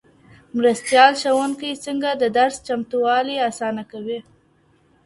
مرستيال ښوونکی څنګه د درس چمتووالی اسانه کوي؟